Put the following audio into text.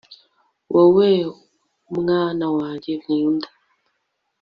wowe, mwana wanjye nkunda